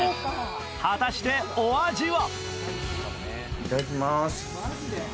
果たしてお味は？